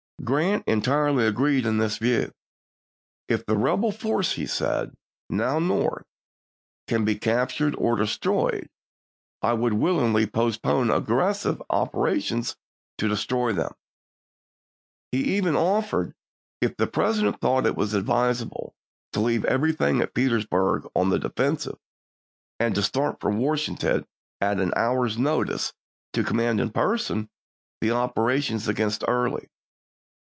Grant entirely agreed in this view. "If the rebel force," he said, " now North, can be cap tured or destroyed, I would willingly postpone aggressive operations to destroy them." He even Badeau, offered, if the President thought it advisable, to HiJtorJof leave everything at Petersburg on the defensive, GraAt." and to start for Washington at an hour's notice to Vol.IL, &..■ pp. 436, 437. command m person the operations against Early.